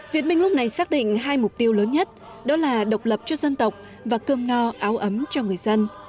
việt minh lúc này xác định hai mục tiêu lớn nhất đó là độc lập cho dân tộc và cơm no áo ấm cho người dân